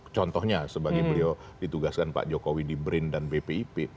contohnya sebagai beliau ditugaskan pak jokowi di brin dan bpip